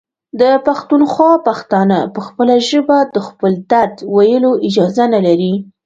د پښتونخوا پښتانه په خپله ژبه د خپل درد ویلو اجازه نلري.